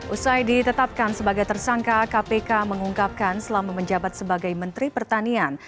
usai ditetapkan sebagai tersangka kpk mengungkapkan selama menjabat sebagai menteri pertanian